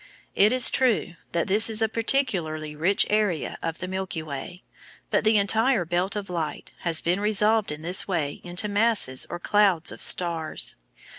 It is true that this is a particularly rich area of the Milky Way, but the entire belt of light has been resolved in this way into masses or clouds of stars.